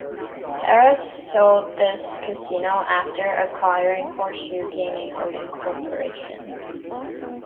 Harrah's sold this casino after acquiring Horseshoe Gaming Holding Corporation.